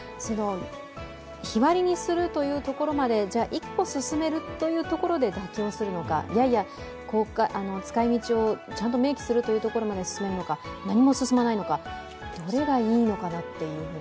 日割りにするというところまで１歩進めるというところで妥協するのか、いやいや、使いみちをちゃんと明記するところまで進めるのか何も進まないのか、どれがいいのかなというふうに。